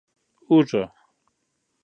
🧄 اوږه